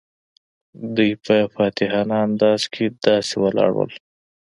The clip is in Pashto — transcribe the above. دوی په فاتحانه انداز کې داسې ولاړ وو.